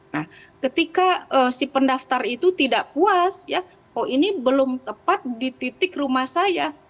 nah ketika si pendaftar itu tidak puas ya oh ini belum tepat di titik rumah saya